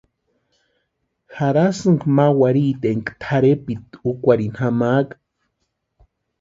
¿Jarhasïnki ma warhiti énka tʼarhepiti úkwarhini jamaaka?